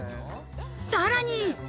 さらに。